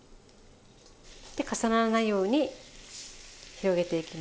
で重ならないように広げていきます。